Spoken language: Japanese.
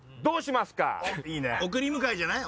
送り迎えじゃない？